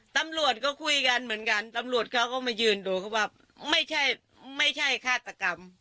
ตำรวจก็คุยกันเหมือนกันตำรวจเขาก็มายืนดูเขาว่าไม่ใช่ไม่ใช่ฆาตกรรม